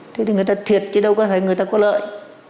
thế thì người ta thiệt chứ đâu có phải người ta có lợi